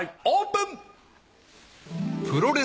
オープン！